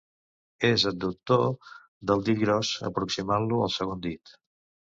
És adductor del dit gros, aproximant-lo al segon dit.